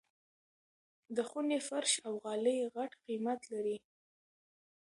د خوني فرش او غالۍ غټ قيمت لري.